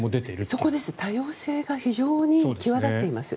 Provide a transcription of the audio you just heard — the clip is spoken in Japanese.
そこです多様性が非常に際立っています。